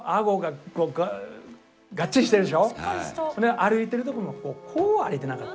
歩いてるとこもこう歩いてなかった？